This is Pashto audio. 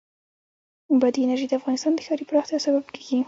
بادي انرژي د افغانستان د ښاري پراختیا سبب کېږي.